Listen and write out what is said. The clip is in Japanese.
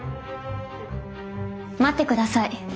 待ってください。